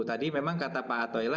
tadi memang kata pak atoila